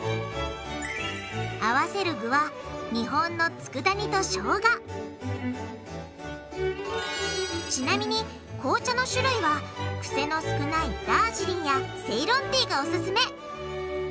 合わせる具は日本の佃煮としょうがちなみに紅茶の種類はクセの少ないダージリンやセイロンティーがオススメ！